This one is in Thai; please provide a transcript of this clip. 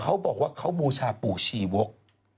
เขาบอกว่าเขาบูชาปู่ชีวก